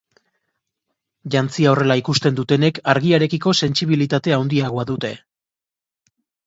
Jantzia horrela ikusten dutenek argiarekiko sentsibilitate handiagoa dute.